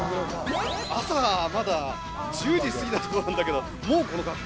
朝まだ、１０時過ぎだと思うんだけど、もうこの格好。